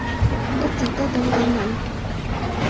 一直都等緊你